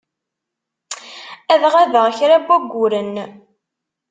Ad ɣabeɣ kra n wayyuren.